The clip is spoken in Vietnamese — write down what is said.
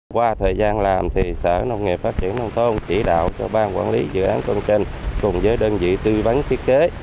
qua thời gian làm thì sở nông nghiệp phát triển nông thôn chỉ đạo cho bang quản lý dự án con trên cùng với đơn vị tư vấn thiết kế